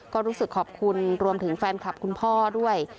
ก็รู้สึกขอบคุณรวมถึงแฟนคลับคุณพ่อด้วย